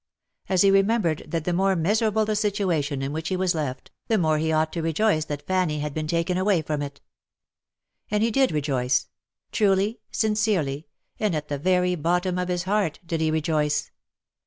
as he remembered that the more miserable the situation in which he was left, the more he ought to rejoice that Fanny had been taken from, it. And he did rejoice ; truly, sincerely, and at the very bottom of his heart did he rejoice.